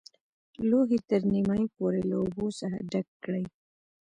لوښی تر نیمايي پورې له اوبو څخه ډک کړئ.